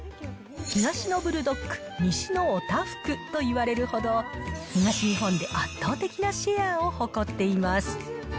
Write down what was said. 東のブルドック、西のオタフクといわれるほど、東日本で圧倒的なシェアを誇っています。